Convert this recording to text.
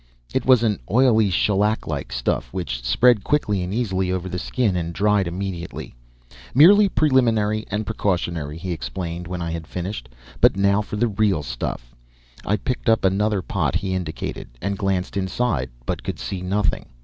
It was an oily, shellac like stuff, which spread quickly and easily over the skin and dried immediately. "Merely preliminary and precautionary," he explained when I had finished; "but now for the real stuff." I picked up another pot he indicated, and glanced inside, but could see nothing.